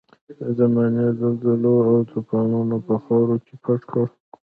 د زمانې زلزلو او توپانونو په خاورو کې پټ کړ.